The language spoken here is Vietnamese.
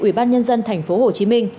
ủy ban nhân dân tp hcm